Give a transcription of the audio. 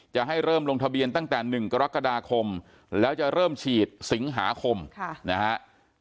จะให้เริ่มลงทะเบียนตั้งแต่๑กรกฎาคมแล้วจะเริ่มฉีดสิงหาคมนะฮะ